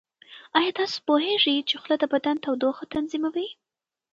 ایا تاسو پوهیږئ چې خوله د بدن تودوخه تنظیموي؟